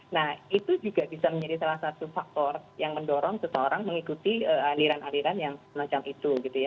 nah itu juga bisa menjadi salah satu faktor yang mendorong seseorang mengikuti aliran aliran yang semacam itu